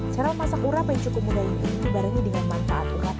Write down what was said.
cara memasak urap yang cukup mudah ini dibarengi dengan manfaat urap